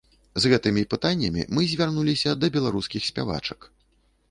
З гэтымі пытаннямі мы звярнуліся да беларускіх спявачак.